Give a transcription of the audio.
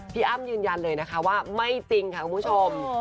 อ้ำยืนยันเลยนะคะว่าไม่จริงค่ะคุณผู้ชม